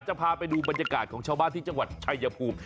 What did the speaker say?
จะพาไปดูบรรยากาศของชาวบ้านที่จังหวัดชายภูมิ